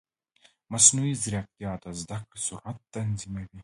مصنوعي ځیرکتیا د زده کړې سرعت تنظیموي.